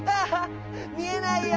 みえないよ！